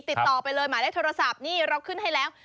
ติดต่อไปเลยหมายเลขโทรศัพท์นี่เราขึ้นให้แล้ว